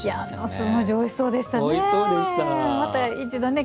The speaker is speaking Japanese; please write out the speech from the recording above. スムージーおいしそうでしたね。